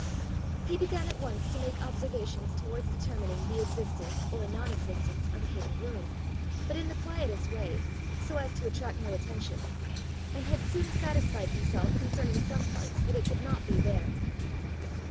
He began at once to make observations towards determining the existence or non existence of a hidden room, but in the quietest way, so as to attract no attention, and had soon satisfied himself concerning some parts that it could not be there.